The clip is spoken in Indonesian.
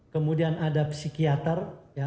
kemudian ada psikiater